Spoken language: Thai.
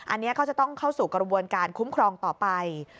อันนี้ก็จะต้องเข้าสู่กระบวนการคุ้มครองต่อไป